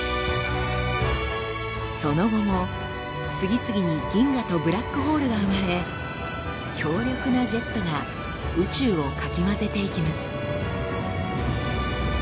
その後も次々に銀河とブラックホールが生まれ強力なジェットが宇宙をかき混ぜていきます。